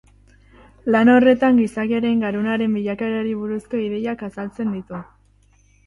Lan horretan gizakiaren garunaren bilakaerari buruzko ideiak azaltzen ditu.